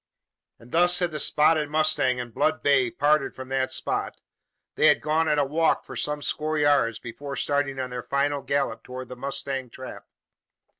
And thus had the spotted mustang and blood bay parted from that spot. They had gone at a walk for some score yards, before starting on their final gallop towards the mustang trap.